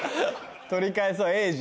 取り返そうえいじ。